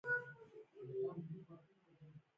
دلته د دولت پر ځای وسله والې ډلې فعالې دي.